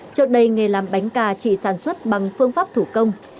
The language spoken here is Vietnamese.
trước đây nghề làm bánh cà chỉ sản xuất bằng phương pháp thủ công